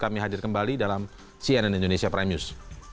kami hadir kembali dalam cnn indonesia prime news